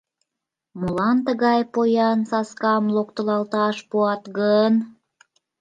Молан тыгай поян саскам локтылалташ пуат гын?